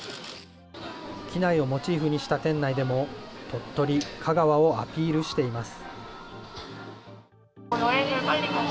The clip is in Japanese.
機内をモチーフにした店内でも、鳥取、香川をアピールしています。